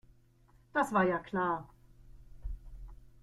Das war ja klar.